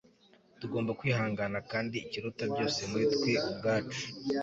tugomba kwihangana kandi ikiruta byose muri twe ubwacu